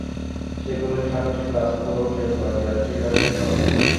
সেগুলোর সাতটির কাজ পুরো শেষ, বাকি আটটির কাজ শেষ হওয়ার পথে।